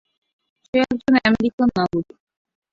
সে একজন আমেরিকান নাগরিক।